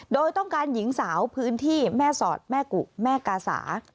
โดยต้องการหญิงสาวพื้นที่แม่สอดแม่กุแม่กาสา